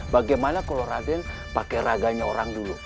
bagaimana kalau raden pakai raganya orang dulu